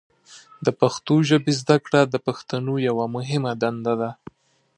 د پښتو ژبې زده کړه د پښتنو یوه مهمه دنده ده.